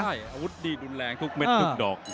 ใช่อาวุธดีรุนแรงทุกเม็ดทุกดอก